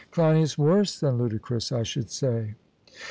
CLEINIAS: Worse than ludicrous, I should say.